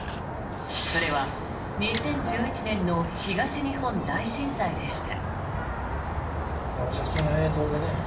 それは、２０１１年の東日本大震災でした。